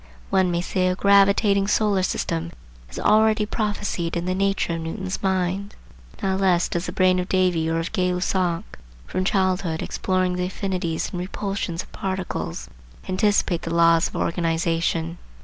One may say a gravitating solar system is already prophesied in the nature of Newton's mind. Not less does the brain of Davy or of Gay Lussac, from childhood exploring the affinities and repulsions of particles, anticipate the laws of organization.